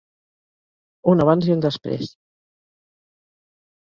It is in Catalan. Un abans i un després.